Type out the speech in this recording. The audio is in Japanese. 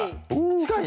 近い。